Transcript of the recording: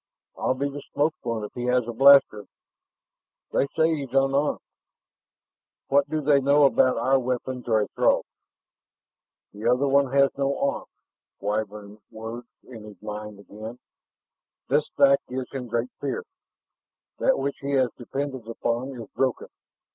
"I'll be the smoked one if he has a blaster." "They say he's unarmed " "What do they know about our weapons or a Throg's?" "The other one has no arms." Wyvern words in his mind again. "This fact gives him great fear. That which he has depended upon is broken.